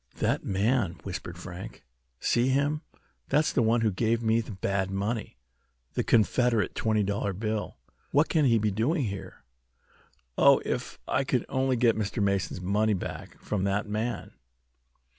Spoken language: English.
"That man!" whispered Frank. "See him! That's the one who gave me the bad money the Confederate twenty dollar bill. What can he be doing here? Oh, if I could only get Mr. Mason's money back from that man!"